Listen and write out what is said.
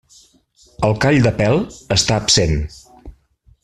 El call de pèl està absent.